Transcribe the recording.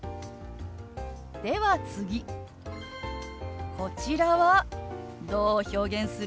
では次こちらはどう表現する？